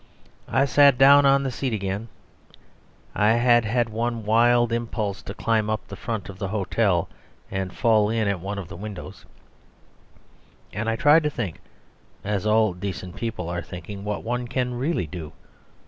I sat down on the seat again (I had had one wild impulse to climb up the front of the hotel and fall in at one of the windows), and I tried to think, as all decent people are thinking, what one can really do.